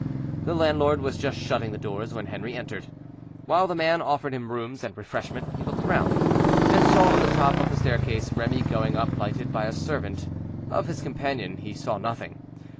The landlord was just shutting the doors when Henri entered. While the man offered him rooms and refreshment, he looked round, and saw on the top of the staircase Remy going up, lighted by a servant; of his companion he saw nothing.